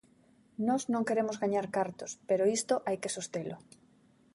Nós non queremos gañar cartos, pero isto hai que sostelo.